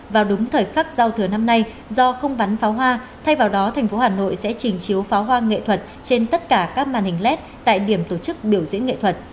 vào đúng thời khắc giao thừa năm nay do không bắn pháo hoa thay vào đó thành phố hà nội sẽ trình chiếu phá hoa nghệ thuật trên tất cả các màn hình led tại điểm tổ chức biểu diễn nghệ thuật